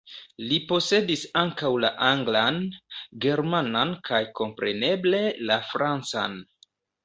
Li posedis ankaŭ la anglan, germanan kaj kompreneble la francan.